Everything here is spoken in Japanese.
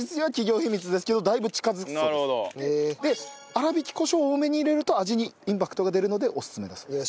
粗挽きコショウを多めに入れると味にインパクトが出るのでおすすめだそうです。